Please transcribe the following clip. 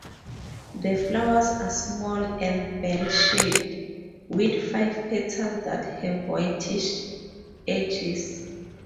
The flowers are small and bell-shaped, with five petals that have whitish edges.